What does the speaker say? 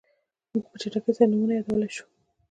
موږ په چټکۍ سره نومونه یادولی شو.